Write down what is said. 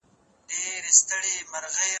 دا زموږ کلتور دی او موږ پرې ویاړو.